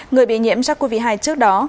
người bị nhiễm sars cov hai trước đó